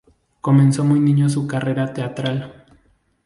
Comenzó muy niño su carrera teatral.